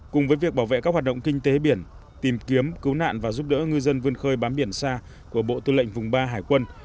cùng với việc bảo vệ các hoạt động kinh tế biển tìm kiếm cứu nạn và giúp đỡ ngư dân vươn khơi bám biển xa của bộ tư lệnh vùng ba hải quân